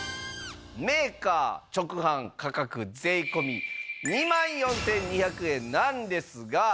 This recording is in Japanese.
メーカー直販価格税込２万４２００円なんですが。